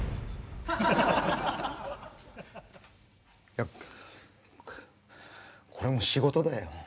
いやこれも仕事だよ。